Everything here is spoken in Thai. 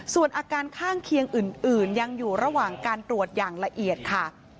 ส่วนอาการข้างเคียงอื่นยังอยู่ระหว่างการตรวจอย่างละเอียดค่ะ